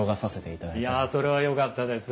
いやそれはよかったです。